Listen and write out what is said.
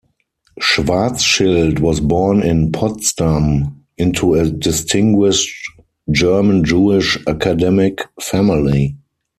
Schwarzschild was born in Potsdam into a distinguished German Jewish academic family.